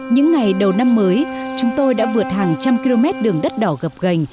những ngày đầu năm mới chúng tôi đã vượt hàng trăm km đường đất đỏ gập gành